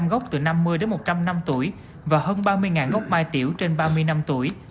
một mươi chín hai trăm linh gốc từ năm mươi đến một trăm linh năm tuổi và hơn ba mươi gốc mai tiểu trên ba mươi năm tuổi